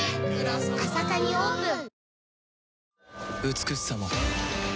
美しさも